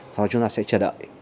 sau đó chúng ta sẽ chờ đợi